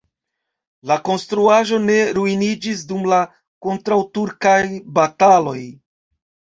La konstruaĵo ne ruiniĝis dum la kontraŭturkaj bataladoj.